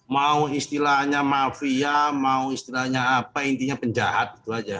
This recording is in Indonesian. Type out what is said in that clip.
mau istilahnya mafia mau istilahnya apa intinya penjahat itu aja